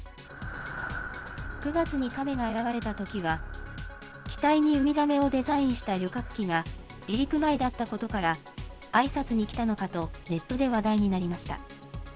９月にカメが現れたときは、機体にウミガメをデザインした旅客機が離陸前だったことから、あいさつに来たのかとネットで話題になりました。